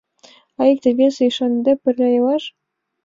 А икте-весылан ӱшаныде пырля илаш?..